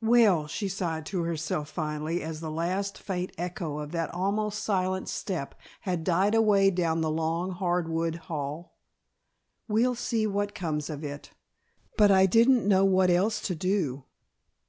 "Well," she sighed to herself finally, as the last faint echo of that almost silent step had died away down the long hardwood hall, "we'll see what comes of it. But I didn't know what else to do."